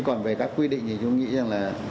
còn về các quy định thì tôi nghĩ rằng là